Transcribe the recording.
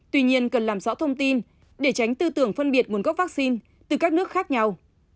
tuy nhiên cần làm rõ thông tin để tránh tư tưởng phân biệt nguồn gốc vaccine từ các nước khác nhau